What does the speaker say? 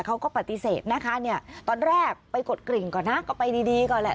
เขาก็ปฏิเสธนะคะเนี่ยตอนแรกไปกดกริ่งก่อนนะก็ไปดีก่อนแหละ